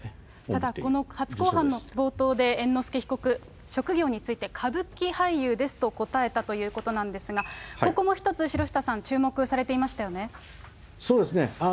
ただ、この初公判の冒頭で、猿之助被告、職業について、歌舞伎俳優ですと答えたということなんですが、ここも一つ、城下そうですね。